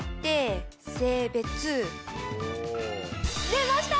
出ました！